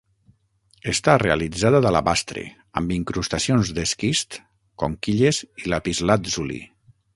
Està realitzada d'alabastre, amb incrustacions d'esquist, conquilles i lapislàtzuli.